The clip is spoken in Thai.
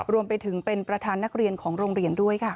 รวมไปถึงเป็นประธานนักเรียนของโรงเรียนด้วยค่ะ